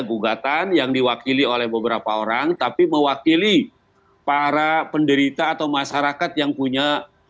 gugatan yang diwakili oleh beberapa orang tapi mewakili para penderita atau masyarakat yang punya